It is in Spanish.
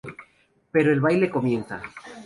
Pero el baile comienza.